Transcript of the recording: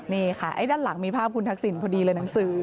นี่ค่ะไอ้ด้านหลังมีภาพคุณทักษิณพอดีเลยหนังสือ